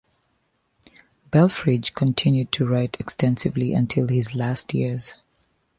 Belfrage continued to write extensively until his last years.